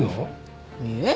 いえ。